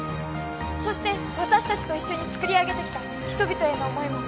そして私たちと一緒に作り上げてきた人々への思いも。